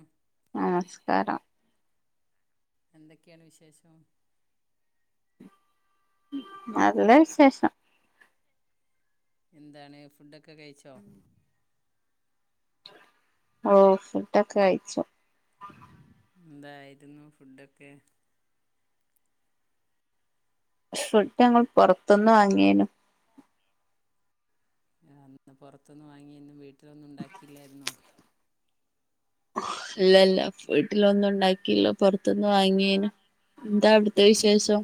ഉം നമസ്കാരം എന്തൊക്കെയാണ് വിശേഷം നല്ല വിശേഷം എന്താണ് ഫുഡൊക്കെ കഴിച്ചോ ഓ ഫുഡൊക്കെ കഴിച്ചു എന്തായിരുന്നു ഫുഡൊക്കെ ഷ് ഫുഡ്ഡ് ങ്ങൾ പൊറത് ന്ന് വാങ്ങിയേനു അന്ന് പൊറ്ത് ന്ന് വാങ്ങിയേന്നും വീട്ടിലൊന്നു ണ്ടാക്കില്ലായിര്ന്നോ ഇല്ലല്ല വീട്ടിലൊന്നും ഉണ്ടാക്കില്ലോ പൊറ്ത് ന്ന് വാങ്ങിയേനു എന്തവിടുത്തെ വിശേഷോ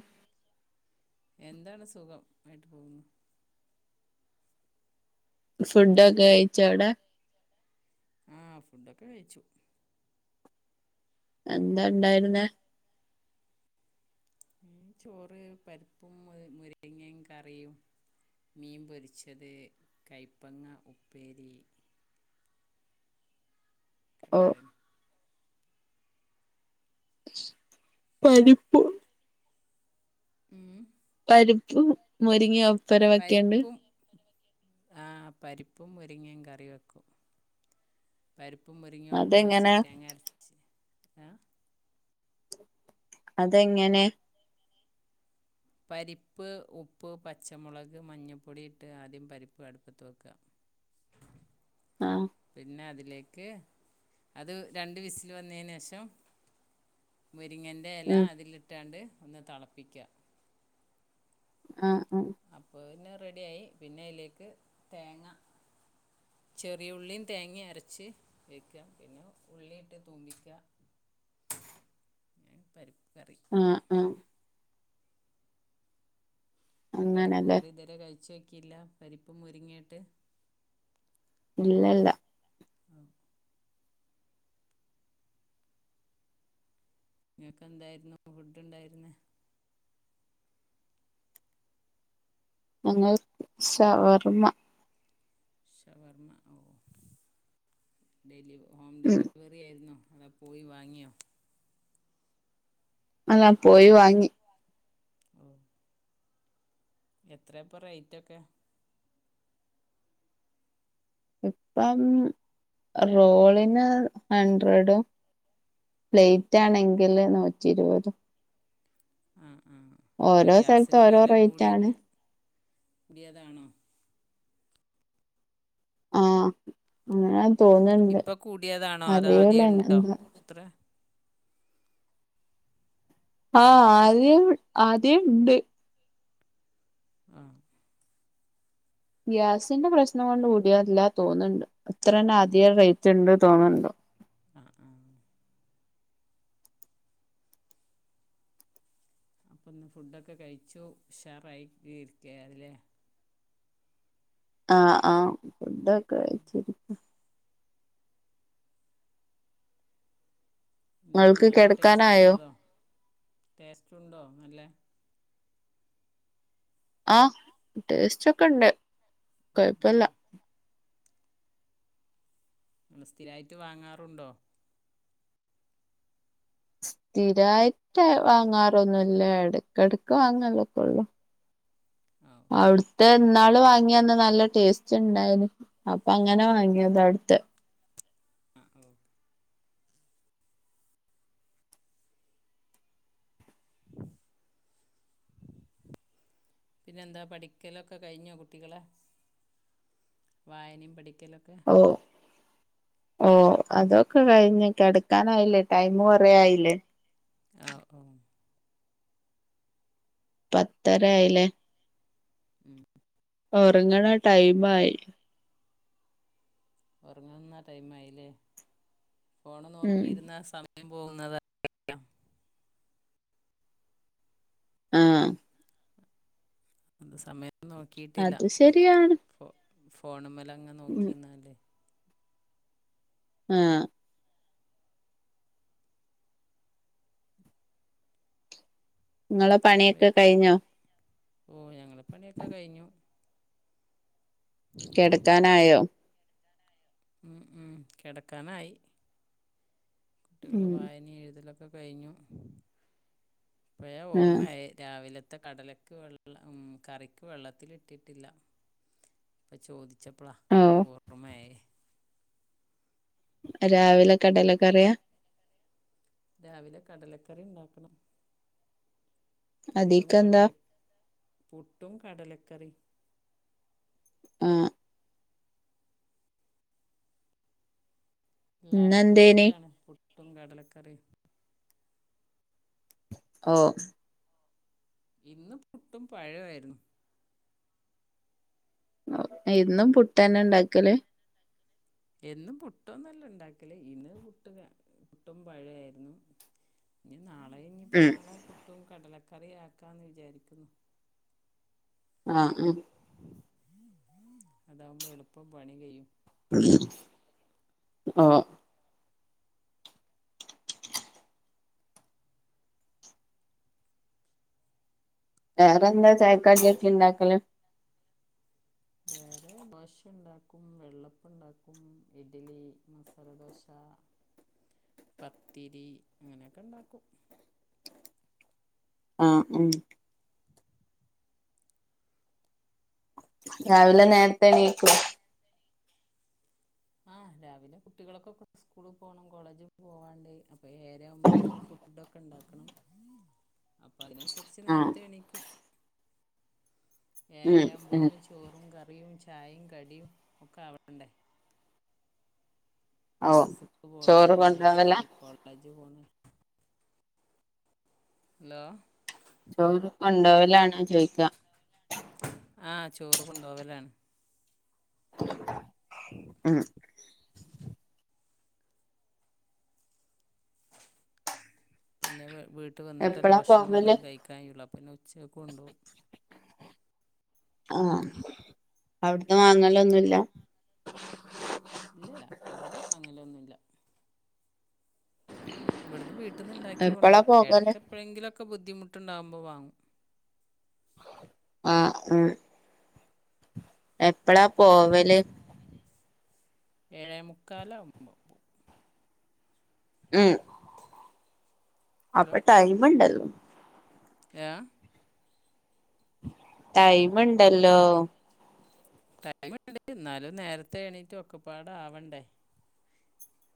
എന്താണ് സുഖം ആയിട്ട് പോകുന്നു ഫുഡൊക്കെ കഴിച്ചോ അവ്ടെ ആഹ് ഫുഡൊക്കെ കഴിച്ചു എന്താ ണ്ടായിരുന്നേ ഉം ചോറ് പരിപ്പും മു മുര്ങ്ങയും കറിയും മീൻ പൊരിച്ചത് കയ്പ്പങ്ങ ഉപ്പേരി കെ ഓ ണ്ടായിന്നു പരിപ്പ് ഉം രിപ്പ് മുരിങ്ങിയോ പരിപ്പും ആഹ് പരിപ്പും മുരിങ്ങയും കറി വെക്കും പരിപ് പ്പും മുരിങ്ങും ഒപ്പം വെച്ച് അതെങ്ങനെ തേങ്ങര്ച്ച് ആ അതെങ്ങനെ പരിപ്പ് ഉപ്പ് പച്ചമുളക് മഞ്ഞപ്പൊടിയിട്ട് ആദ്യം പരിപ്പ് അടുപ്പത്ത് വെക്ക [inaudible] പിന്നെ അതിലേക്ക് അത് രണ്ട് വിസില് വന്നയ്നേഷം [inaudible] മുരിങ്ങൻ്റെ എല ഉം അതിലിട്ടാണ്ട് ഒന്ന് തെളപ്പിക്ക ആഹ് അപ്പൊ ന്നെ റെഡിയായി പിന്നെ അയിലേക്ക് തേങ്ങ [inaudible] ചെറിയ ഉള്ളീ തേങ്ങ അരച്ച് വെക്ക പിന്നെ ഉള്ളിയിട്ട് തൂ്മ്പിക്ക [inaudible] ഞാൻ പരിപ് ആഹ് ആഹ് പരിപ്പ് അങ്ങനെല്ലേ കറി ഇതെരെ കഴിച്ചോക്കില്ല പരിപ്പും മുരിങ്ങയിട്ട് ഇല്ല ല്ല ആഹ് നിങ്ങക്ക് എന്തായിരുന്നു ഫുഡ് ഇണ്ടായിരുന്നേ ഞങ്ങൾ സവർമ്മ ഷവർമ്മ ഓ ഡെലിവ ഹോം ഉം ഡെലിവറി ആയിരുന്നോ അടെ പോയി വാങ്ങിയോ അല്ലാ പോയി വാങ്ങി ആ എത്ര ഇപ്പൊ റേറ്റ് ഒക്കെ ഇപ്പം റോളിന് ഹഡ്രഡും പ്ലേറ്റ് ആണെങ്കില് നൂറ്റി ഇരുപത് ആഹ ഓരോ സ്ഥലത്ത ഓരോ റേറ്റ് ആണ് ഇടിയതാണോ ആഹ അ ഇപ്പൊ കൂട്ടിയതാണോ അതോ ആദ്യ ഉണ്ടോ എന്താ അത്ര ആഹ ആദ്യ ആദ്യ ഉണ്ട് ആഹ ഗ്യാസിന്റെ പ്രശ്നം കൊണ്ട് കൂടിയല്ല തോന്നുന്നുണ്ട് അത്ര തന്നെ ആദ്യിക ഉം റേറ്റ് ഉണ്ട് തോന്നണ്ടോ ആ ആ അപ്പൊ ഒന്ന് ഫുഡൊക്കെ കഴിച്ചു ഉഷാറായി ഇരിക്ക അതിലേ ആഹ ആഹ ഫക്കെഴച്ചിരിക്ക എന്താണ് ഇങ്ങൾക്ക് നല്ല ടേസ്റ്റ് കെടക്കാനായോ ഉണ്ടതോ ടേസ്റ്റ് ഉണ്ടോ നല്ല ആഹ ടേസ്റ്റ് ഒക്കെ ഉണ്ട് ഉം ഉം നിങ്ങ സ്ഥിരായിട്ട് വാങ്ങാറുണ്ടോ സ്ഥിരായിട്ട് വാങ്ങാറൊന്നല്ലേ ഇടക്കിടക്ക് വാങ്ങല്ലൊക്കെ ഉള്ളു ഓ [unintelligible] അവിടുത്തെ എന്നാള് വാങ്ങിയന്ന നല്ല ടേസ്റ്റ് ഉണ്ടായിന് അപ്പൊങ്ങന ങ്ങനെ വാങ്ങിയതാ ആ അടുത്ത് ആ ഓ പിന്നെ എന്താ പഠിക്കലൊക്കെ കഴിഞ്ഞോ കുട്ടികളെ വായനയും പഠിക്ക അക്കലക്കെ ഓ ഓ അതൊക്കെ കഴിഞ്ഞ കടക്കാനായില്ലേ ടൈം കൊറെ ആയില്ലേ ഓ ഓ പത്തരയയില്ലേ ഉം ഉറങ്ങണ ടൈംയി ഉറങ്ങുന്ന ടൈ ആയില്ലേ ഫോണ് ഉം നോക്കിയിരുന്ന പോകുന്നത ആഹ അത് സമയം നോക്കിട്ടില്ല അത് ശരിയാണ് ഫോണ മലെ അങ്ങ ഉം നോക്കിന്നല്ലേ ആഹ നിങ്ങളെ പണിയൊക്കെ കഴിഞ്ഞോ ഓ ഞങ്ങളെ പണിയൊക്കെ കഴിഞ്ഞു കിടക്കാനായോ ഉം ഉം കിടക്കാനായി കുട്ടികള് ഉം വായന എഴുതലൊക്കെ കഴിഞ്ഞു അഴ ആഹ് ഓർമ്മ രാവിലെ ഇ കടലക്ക് വെള്ള ഉ കറിക്ക് വെള്ളത്തിിട്ടിട്ടില്ലപ്പ ചോ ചപ്പള ഓ റമ രാവിലെക്കെടലൊക്കെ അറിയാം രാവിലെ കടലക്കറി ഉണ്ടാക്കണം പുട്ടും അതിക്കെന്താ കടല പുട്ടും കടലക്കറി ആ എല്ലാവർക്കും ഇന്നെന്തേനി ഇഷ്ടമാണ് പുട്ടും കടലക്കറിയും ഓ ഇന്ന് പുട്ടും പഴയിരുന്നു ഇന്നും പുട്ട തന്നെ ഉണ്ടാക്കലേ എന്നും പുട്ടൊന്നല്ല ഉണ്ടാക്കലേ ഇന്ന് പുട്ട് പുട്ടും പഴയായിരുന്നു [inaudible] നാളെ കഴഞ്ഞിപ്പോ ഉം നാളെ പുട്ടും കടലക്കറിയ ആക്കാന്ന് വിചാരിക്കുന്നു ആഹ് ഉം അതകുമ്പോ എളുപ്പം പണി കഴ്യും ആഹ് വേറെന്താ ചായക്കാടക്ക ഇണ്ടാക്കല് വേറെ ദോശ ഉണ്ടാക്കും വെള്ളപ്പുണ്ടാക്കും ഇഡ്ലി മസാലദോശ [inaudible] പത്തിരി അങ്ങനെയൊക്കെ ഇണ്ടാക്കും ആഹ് ഉം രാവിലെ നേരത്തെ എണീക്കൂ- ആഹ് രാവിലെ കുട്ടികളൊക്കെ സ്കൂളിൽ പോകണം കോളേജിൽ പോവാണ്ട് അപ്പൊ ഏറെ ആവുമ്പോത്തിന് ഫുഡ ഒക്കെ ഉണ്ടാക്കണം അപ്പൊ അതിനനുസരിച്ച് നേരത്തെ എണീക്കും [inaudible] ഉം ഏരാുമ്പോത്തിന് ചോറും കറിയും ചായയും കടിയും ഒക്കെ അവിടണ്ടേ ഓ മദർസക്ക് ചോറ് പോണവരുണ്ട് കൊണ്ടോവലാ സ്കൂൾ കോളേജ് പോണവരു ഹലോ ചോറ് കൊണ്ടോലാണോ ചോയിക്ക ആഹ ചോറ് കൊണ്ടപോവലാണ് ഉം പിന്നെ വീട്ട് വന്നിട്ടല്ല എപ്പളാ ഭക്ഷണം പോവല് വല്ലത കഴിക്കാ കുള്ള പിന്നെ ഉച്ചക്കെ കൊണ്ടോും ആഹ അവിടന്ന് വാങ്ങലൊന്നുമല്ല ഇല്ലല്ല അവിടുന്ന് അങ്ങല ഒന്നുംല്ല ഇവിടുന്ന് വീട്ടിൽന്ന് ഇണ്ടാക്കി കൊണ്ടോ എപ്പളാ പോകല് ഇടക്കെപ്പോഴെങ്കിലൊക്കെ ഒക്കെ ബുദ്ധിമുട്ടുണ്ടകുമ്പോ വാങ്ങും ആ ആ എപ്പഴാ പോവല് ഏഴേമുക്കാല അ്പ പോൂ മ് അപ്പടൈമ്ണ്ടല്ല- ആഏ ടൈമുണ്ടല്ലോ ടൈംണ്ട് എന്നാലും നേരത്തെ എണീറ്റ് ഒക്കെപ്പാട ആവണ്ടേ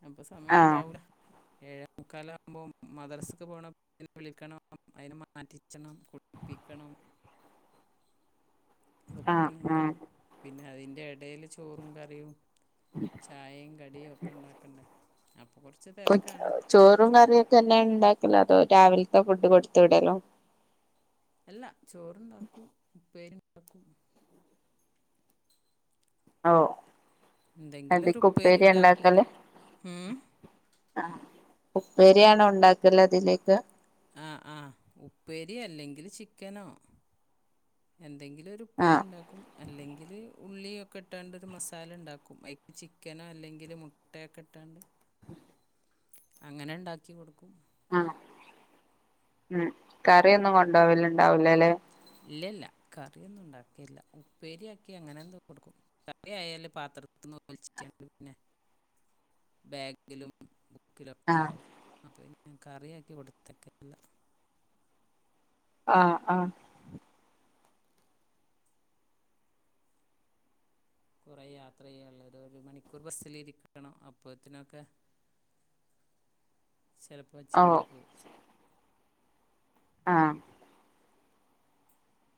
അപ്പൊ സമയം ആഹ് ഉണ്ടാവൂല ഏഴ മുക്കാല ആകുമ്പോൾ മദ്രസക്ക് പോകണെ വിളിക്കണം അതിനെ മാറ്റിക്കണം കുടിപ്പിക്കണം [inaudible] അതൊക്കെ ആഹ് പണി ഉണ്ടാവും ആഹ് പിന്നെ അതിന്റെ ഇടയില് ചോറും കറിയും ചായയും കടിയും ഒക്കെ ഉണ്ടാക്കണ്ടേ കുറച്ച് തിരക്കാണ് ചോറും കറിയുംൊക്കെ തന്നെയ ഉണ്ടാക്കല അതോ രാവിലത്തെ ഫുഡ് കൊടുത്ത വിടല്ലോ അല്ല ചോറണ്ടാക്കും ഉപ്പേരുണ്ടാക്കും ഓ എന്തെങ്കിലും ഒരു അതിക്ക് ഉപ്പേരി ഉപ്പേരിയാ ഇണ്ടാക്കും ഇണ്ടാക്കല് ഉ ആ ഉപ്പേരിയാണോ ഉണ്ടാക്കല അതിലേക്ക് ആ ആഹ ഉപ്പേരിോ അല്ലെങ്കിൽ ചിക്കനോ എന്തെങ്കിലും ഒരു ആഹ് ഉപ്പേരിയുണ്ടാക്കും അല്ലെങ്കിൽ ഉള്ളിയൊക്കെ ഇട്ടോണ്ട് ഒരു മസാല ഉണ്ടാക്കും അതിപ്പോ ചിക്കനോ അല്ലെങ്കിൽ മുട്ടയൊക്കെ ഇട്ടോണ്ട് ഉം അങ്ങനെ ഉണ്ടാക്കി കൊടുക്കും ആഹ് ഉം കറിയൊന്നും കൊണ്ട് പോകൽ ഉണ്ടാവൂലല്ലേ ഇല്ല ഇല്ല കറിയൊന്നും ഉണ്ടാക്കിയില്ല ഉപ്പേരിയാക്കി അങ്ങനെ എന്തൊ കൊടുക്കും കറിയായാൽ പാത്രത്തി ഒലിച്ചിട്ടുണ്ടേൽ പിന്നെ [inaudible] ബാഗിലും ബുക്കിലൊക്കെ ആഹ് ആവും അപ്പൊ ഇനി ഞാൻ കറിയാക്കി കൊടുത്താക്കലില്ല ആഹ് ആഹ് കുറെ യാത്ര ചെയ്യാനുള്ളതാ ഒരു മണിക്കൂർ ബസ്സലിരിക്കണം അപ്പൊഅതിലൊക്കെ [inaudible] ചിലപ്പോ ഓ ചിന്തി പോവും ആഹ്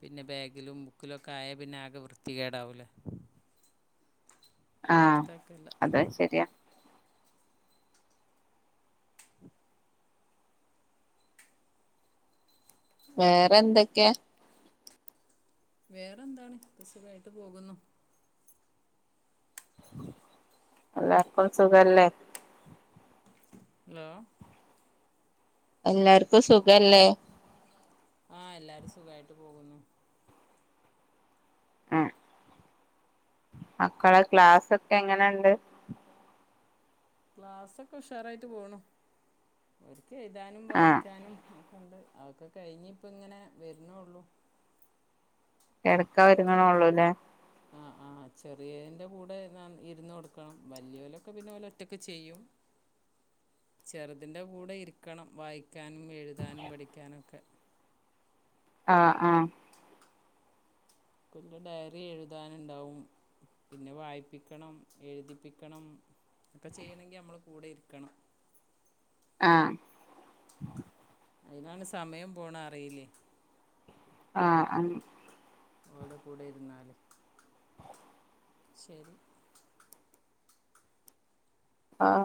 പിന്നെ ബാഗിലും ബുക്കിലും ഒക്കെ ആയാൽ പിന്നെ ആകെ വൃത്തികേടാവൂലേ അപ്പോൾ ആഹ് കൊടുത്തേക്കില്ല അത് ശരിയാ വേറെ എന്തൊക്കെയാ വേറെന്താണ്സുഖമായിട്ട് പോകുന്നു [inaudible] എല്ലാർക്കും സുഖമല്ലേ ഹലോ എല്ലാർക്കും സുഖമല്ലേ ആഹ് എല്ലാരും സുഖായിട്ട് പോകുന്നു ഉം മക്കളെ ക്ലാസ് ഒക്കെ എങ്ങനെയുണ്ട് ക്ലാസ്സൊക്കെ ഉഷാറായിട്ട് പോണു എഴുതാനും ആഹ് വായിക്കാനും ഒക്കെയുണ്ട് അതൊക്കെ കഴിഞ്ഞ് ഇപ്പം ഇങ്ങനെ വരുന്നേയുള്ളു കിടക്കാൻ ഒരുങ്ങണേ ഉള്ളൂല്ലേ ആ ചെറിയതിന്റെ കൂടെ ഞാൻ ഇരുന്ന് കൊടുക്കണം വല്ല്യോലൊക്കെ പിന്നെ ഓല് ഒറ്റക്ക് ചെയ്യും ചെറുതിന്റെ കൂടെ ഇരിക്കണം വായിക്കാനും എഴുതാനും പഠിക്കാനൊക്കെ ആഹ് ആഹ് പിന്നെ ഡയറി എഴുതാനുണ്ടാവും പിന്നെ വായിപ്പിക്കണം എഴുതിപ്പിക്കണം ഒക്കെ ചെയ്യണമെങ്കിൽ നമ്മള് കൂടെ ഇരിക്കണം ആഹ് അതിനാണ് സമയം പോണത് അറിയില്ലേ ആഹ് ഓൾടെ കൂടെ ഇരുന്നാല് ശരി ആഹ്